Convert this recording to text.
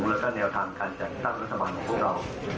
แล้วก็แนวทางการจัดตั้งรัฐบาลของพวกเรา